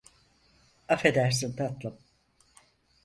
Affedersin tatlım.